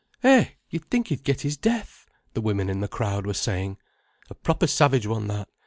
"Eh, you'd think he'd get his death," the women in the crowd were saying. "A proper savage one, that.